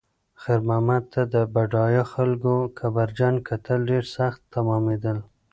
خیر محمد ته د بډایه خلکو کبرجن کتل ډېر سخت تمامېدل.